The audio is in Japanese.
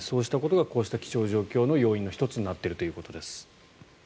そういうことがこうした気象状況の要因の１つとなっているということです。